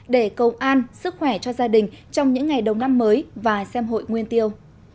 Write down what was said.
để cầu an sức khỏe cho gia đình trong những ngày đầu năm mới và xem hội nguyên tiêu